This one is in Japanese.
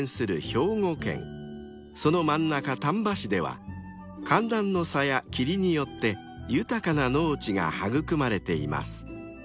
［その真ん中丹波市では寒暖の差や霧によって豊かな農地が育まれています］